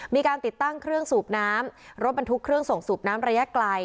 มีการติดตั้งเครื่องสูบน้ำรถบรรทุกเครื่องส่งสูบน้ำระยะไกล